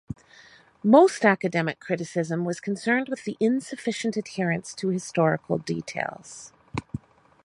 Most academic criticism was concerned with the insufficient adherence to historical details.